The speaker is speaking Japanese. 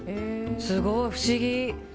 すごい、不思議！